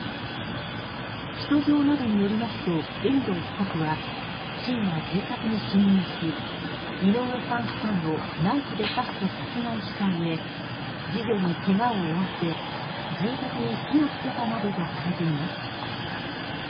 起訴状などによりますと遠藤被告は深夜、住宅に侵入し井上さん夫妻をナイフで刺して殺害したうえ次女にけがを負わせ住宅に火を付けたなどとされています。